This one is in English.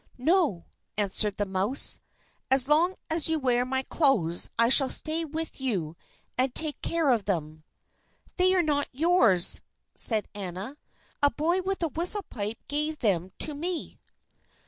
"No," answered the mouse; "as long as you wear my clothes I shall stay with you and take care of them." "They are not yours," said Anna; "a boy with a whistle pipe gave them to me."